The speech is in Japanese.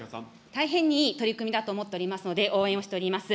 大変にいい取り組みだと思っておりますので、応援をしております。